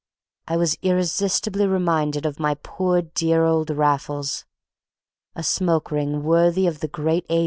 I was irresistibly reminded of my poor dear old Raffles. A smoke ring worthy of the great A.